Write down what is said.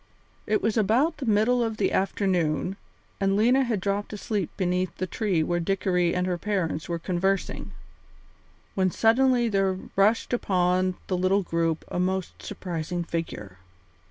It was about the middle of the afternoon, and Lena had dropped asleep beneath the tree where Dickory and her parents were conversing, when suddenly there rushed upon the little group a most surprising figure.